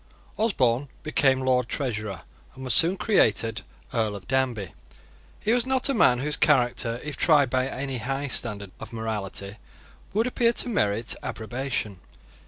Osborne became Lord Treasurer, and was soon created Earl of Danby. He was not a man whose character, if tried by any high standard of morality, would appear to merit approbation.